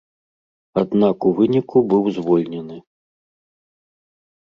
Аднак у выніку быў звольнены.